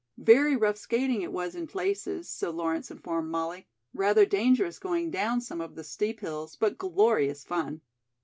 Very rough skating it was in places, so Lawrence informed Molly; rather dangerous going down some of the steep hills, but glorious fun.